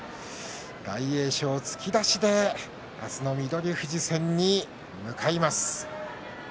大栄翔、突き出しで明日の翠富士戦に向かいます。